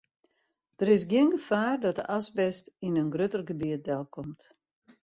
Der is gjin gefaar dat de asbest yn in grutter gebiet delkomt.